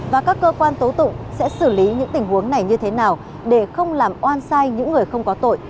và các cơ quan tố tụng sẽ xử lý những tình huống này như thế nào để không làm oan sai những người không có tội